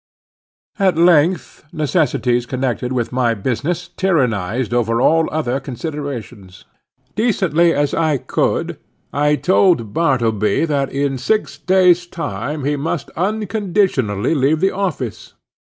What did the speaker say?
At length, necessities connected with my business tyrannized over all other considerations. Decently as I could, I told Bartleby that in six days' time he must unconditionally leave the office.